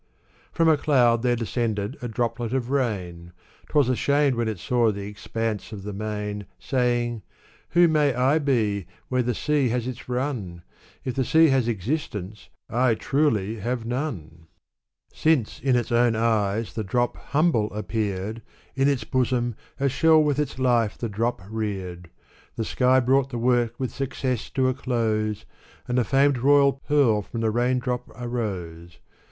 SxS^fe^^ a cloud there descended a droplet of rain ; ashamed when it saw the expanse of the main, ' Who may I be, where the sea has its nm ? a has existence, I truly have none I " 1 Tran^Utions by G, S. Davjc, Digitized by Google I Bustan Since in its own eyes the drop bumble appeared, In its bosom, a shell with its life the drop reared ; The sky brought the work with success to a close, And a famed royal pearl from the rain drop arose.